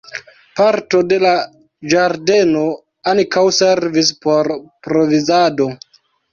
Parto de la ĝardeno ankaŭ servis por provizado.